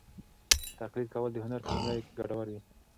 تقلید کول د هنر په لومړیو کې ګټور وي.